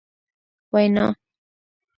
وینا ...